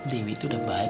dewi itu udah baik